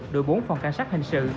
đội bốn phòng cảnh sát hình sự